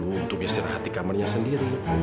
untuk istirahat hati kamarnya sendiri